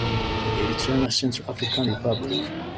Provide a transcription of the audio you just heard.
Eritrea na Central African Republic